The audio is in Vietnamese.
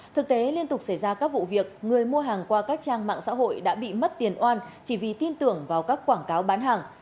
thực tế liên tục xảy ra các vụ việc người mua hàng qua các trang mạng xã hội đã bị mất tiền oan chỉ vì tin tưởng vào các quảng cáo bán hàng